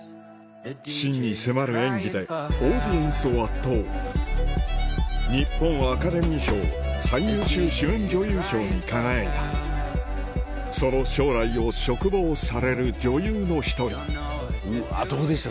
真に迫る演技でオーディエンスを圧倒日本アカデミー賞最優秀主演女優賞に輝いたその将来を嘱望される女優の１人どうでした？